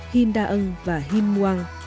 hin da ang và hin muang